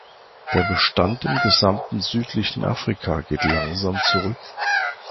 Der Bestand im gesamten südlichen Afrika geht langsam zurück.